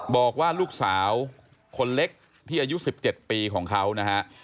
บอกว่าลูกสาวคนเล็กที่อายุ๑๗ปีของเขานะฮะ